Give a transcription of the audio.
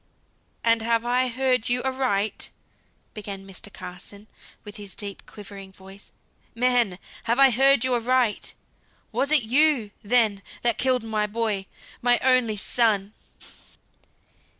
"And have I heard you aright?" began Mr. Carson, with his deep quivering voice. "Man! have I heard you aright? Was it you, then, that killed my boy? my only son?"